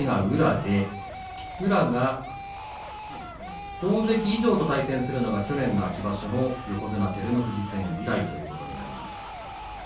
宇良が大関以上と対戦するのは去年の秋場所の横綱照ノ富士戦以来ということになります。